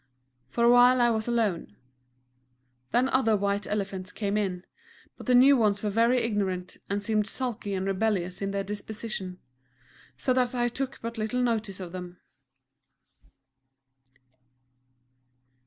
For a while I was alone. Then other White Elephants came in; but the new ones were very ignorant, and seemed sulky and rebellious in their dispositions so that I took but little notice of them.